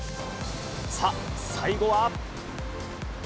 さあ、最後は。